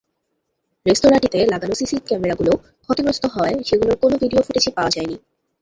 রেস্তোরাঁটিতে লাগানো সিসি ক্যামেরাগুলো ক্ষতিগ্রস্ত হওয়ায় সেগুলোর কোনো ভিডিও ফুটেজ পাওয়া যায়নি।